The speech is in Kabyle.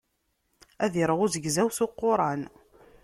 Ad iṛeɣ uzegzaw s uquṛan.